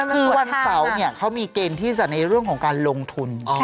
คือวันเสาร์เนี่ยเขามีเกณฑ์ที่จะในเรื่องของการลงทุน